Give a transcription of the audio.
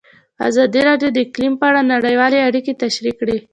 ازادي راډیو د اقلیم په اړه نړیوالې اړیکې تشریح کړي.